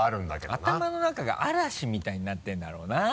頭の中が嵐みたいになってるんだろうな。